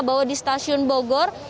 bahwa di stasiun bogor